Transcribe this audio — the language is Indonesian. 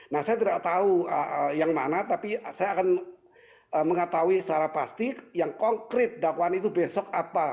nah saya tidak tahu yang mana tapi saya akan mengetahui secara pasti yang konkret dakwaan itu besok apa